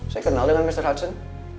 saya kenal dengan mr harsen